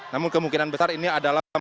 namun kemungkinan besar ini adalah